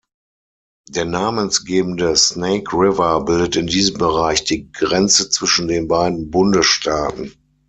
Der namensgebende Snake River bildet in diesem Bereich die Grenze zwischen den beiden Bundesstaaten.